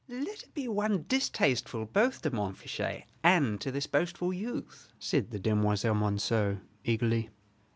"Let it be one distasteful both to Montfichet and to this boastful youth," said the demoiselle Monceux, eagerly.